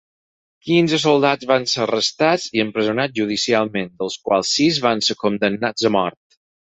Quinze soldats van ser arrestats i empresonats judicialment, dels quals sis van ser condemnats a mort.